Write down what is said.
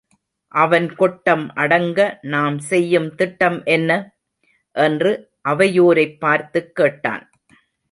அவன் கொட்டம் அடங்க நாம் செய்யும் திட்டம் என்ன? என்று அவையோரைப் பார்த்துக் கேட்டான்.